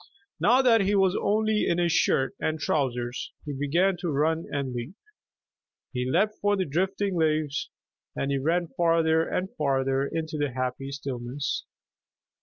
Now that he was only in his shirt and trousers he began to run and leap. He leapt for the drifting leaves, and he ran farther and farther into the happy stillness.